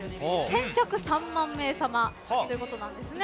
先着３万名さまということなんです。